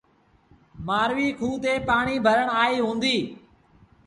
مآرويٚ کوه تي پآڻيٚ ڀرڻ آئيٚ هُݩديٚ۔